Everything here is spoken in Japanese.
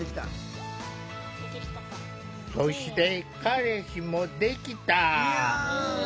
そして彼氏もできた。